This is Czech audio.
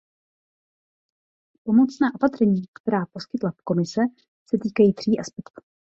Pomocná opatření, která poskytla Komise, se týkají tří aspektů.